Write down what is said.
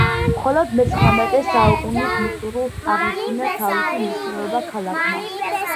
მხოლოდ მეცხრამეტე საუკუნის მიწურულს აღიდგინა თავისი მნიშვნელობა ქალაქმა.